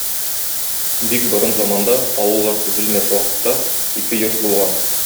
Бик борын заманда, авыллар төзелмәс вакытта, ике йорт булган.